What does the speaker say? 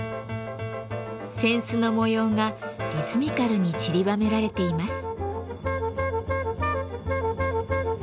扇子の模様がリズミカルにちりばめられています。